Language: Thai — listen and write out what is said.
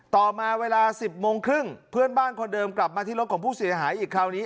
ต่อมาเวลา๑๐โมงครึ่งเพื่อนบ้านคนเดิมกลับมาที่รถของผู้เสียหายอีกคราวนี้